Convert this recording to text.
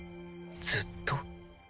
ずっと？